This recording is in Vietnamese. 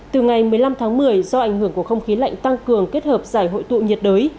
từ ngày một mươi năm tháng một mươi do ảnh hưởng của không khí lạnh tăng cường kết hợp giải hội tụ nhiệt đới